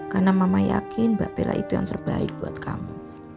karena mama yakin mbak bella itu yang terbaik buat kamu